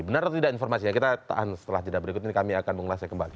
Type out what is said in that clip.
benar atau tidak informasinya kita tahan setelah jeda berikut ini kami akan mengulasnya kembali